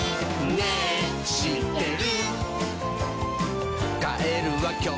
「ねぇしってる？」